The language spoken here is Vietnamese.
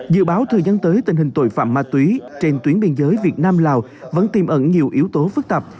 dự báo thời gian tới tình hình tội phạm ma túy trên tuyến biên giới việt nam lào vẫn tìm ẩn nhiều yếu tố phức tạp